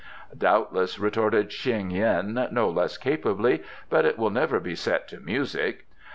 "Doubtless," retorted Sheng yin no less capably; "but it will never be set to music.